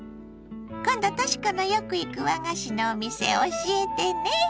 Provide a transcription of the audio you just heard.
今度とし子のよく行く和菓子のお店教えてね！